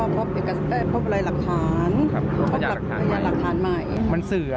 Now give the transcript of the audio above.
ประมาณนั้นคะ